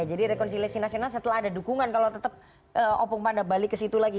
jadi rekonsiliasi nasional setelah ada dukungan kalau tetap opung panda balik ke situ lagi